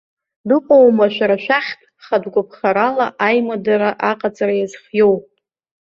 Дыҟоума шәара шәахьтә хатәгәаԥхарала аимадара аҟаҵара иазхиоу?